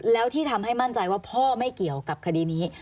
แล้วที่ทำให้มั่นใจว่าพ่อไม่เกี่ยวกับคดีนี้